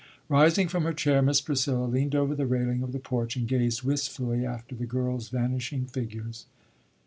Rising from her chair, Miss Priscilla leaned over the railing of the porch, and gazed wistfully after the girls' vanishing figures.